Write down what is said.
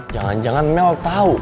jangan jangan mel tau